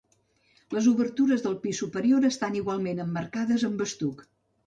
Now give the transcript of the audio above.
Les obertures del pis superior estan igualment emmarcades amb estuc.